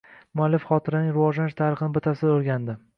Muallif xotiraning rivojlanish tarixini batafsil o‘rgandi.